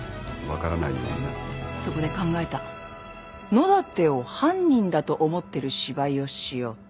野立を犯人だと思ってる芝居をしようって。